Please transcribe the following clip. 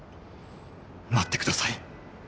待ってください